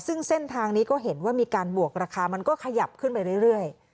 ซึ่งเส้นทางนี้ก็เห็นว่ามีการบวกราคามันก็ขยับขึ้นไปเรื่อย